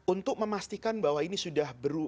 untuk memastikan bahwa ini sudah berubah